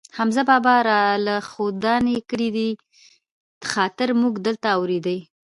حمزه بابا را له ښودانې کړی دي، خاطر مونږ دلته اورېدی.